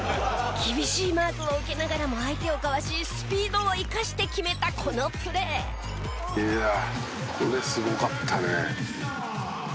厳しいマークを受けながらも相手をかわしスピードを生かして決めたこのプレー。